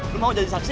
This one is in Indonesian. lu mau jadi saksi